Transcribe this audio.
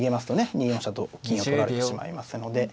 ２四飛車と金を取られてしまいますので。